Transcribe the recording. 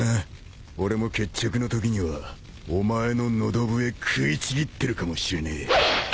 俺も決着のときにはお前の喉笛食いちぎってるかもしれねえ。